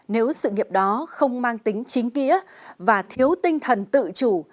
nếu sự nghiệp đó không mang tính chính nghĩa và thiếu tinh thần tự chủ